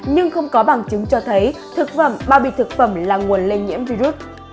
nhưng không có bằng chứng cho thấy thực phẩm bao bì thực phẩm là nguồn lây nhiễm virus